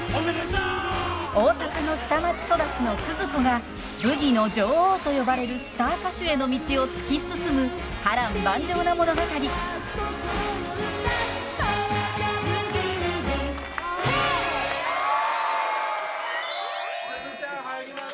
大阪の下町育ちのスズ子がブギの女王と呼ばれるスター歌手への道を突き進む波乱万丈な物語。へいっ！